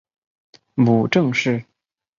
母郑氏。